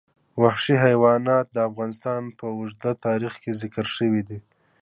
وحشي حیوانات د افغانستان په اوږده تاریخ کې ذکر شوي دي.